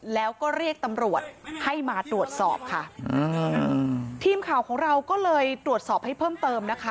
แล้วก็เรียกตำรวจให้มาตรวจสอบค่ะอืมทีมข่าวของเราก็เลยตรวจสอบให้เพิ่มเติมนะคะ